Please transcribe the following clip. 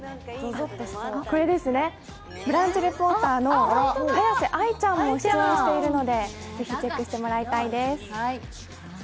これですね、ブランチリポーターの速瀬愛ちゃんも出演しているのでぜひ、チェックしてもらいたいです